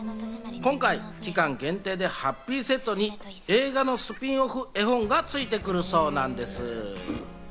今回、期間限定でハッピーセットに映画のスピンオフ絵本が付いてくるそうなんです。